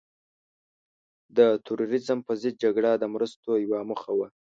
د تروریزم په ضد جګړه د مرستو یوه موخه وه.